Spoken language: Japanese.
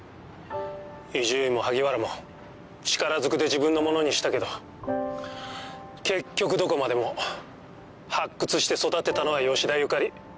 伊集院も萩原も力ずくで自分のものにしたけど結局どこまでも発掘して育てたのは吉田ゆかり